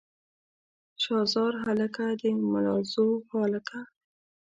شاه زار هلکه د ملازو هلکه.